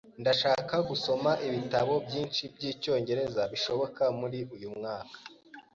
Ndashaka gusoma ibitabo byinshi byicyongereza bishoboka muri uyumwaka.